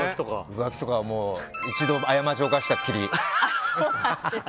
浮気とかはもう一度過ちを犯したっきり。